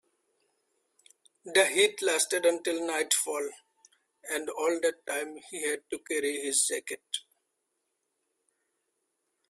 The heat lasted until nightfall, and all that time he had to carry his jacket.